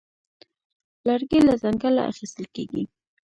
لرګی له ځنګله اخیستل کېږي.